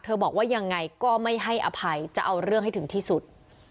บอกว่ายังไงก็ไม่ให้อภัยจะเอาเรื่องให้ถึงที่สุด